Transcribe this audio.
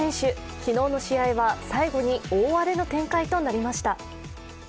昨日の試合は最後に大荒れの展開となりました。